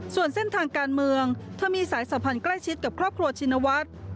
ส่วนเส้นทางการเมืองเธอมีสายสัมพันธ์ใกล้ชิดกับครอบครัวชินวัฒน์